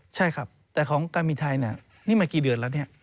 ใช่ครับแต่ของการบินไทยเนี่ยนี่มากี่เดือนแล้วเนี่ย